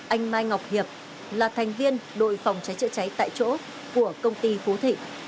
anh mai ngọc hiệp là thành viên đội phòng cháy chữa cháy tại chỗ của công ty phú thị